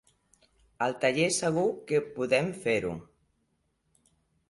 Al taller segur que podem fer-ho.